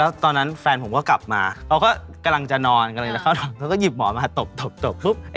แล้วตอนนั้นแฟนผมก็กลับมาเราก็กำลังจะนอนกำลังจะเข้าหนังเขาก็หยิบหมอนมาตบปุ๊บไอ้นี่ก็ร่วงลงมา